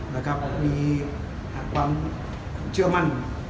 แล้วก็มีความเชื่อมั่น